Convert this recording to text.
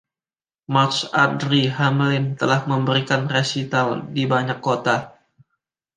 Marc-André Hamelin telah memberikan resital di banyak kota.